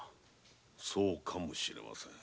そうかもしれません。